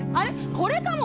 これかも！